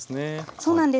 そうなんです。